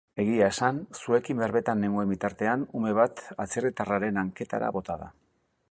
Egia esan, zuekin berbetan nengoen bitartean ume bat atzerritarraren hanketara bota da.